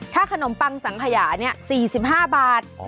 ถ้าขนมปังสังขยา๔๕บาท